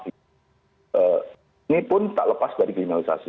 ini pun tak lepas dari kriminalisasi